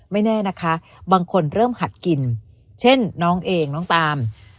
ไม่แน่นะคะบางคนเริ่มหัดกินเช่นน้องเองน้องตาม